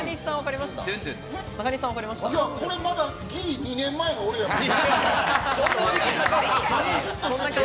これまだ、ギリ２年前の俺やもん。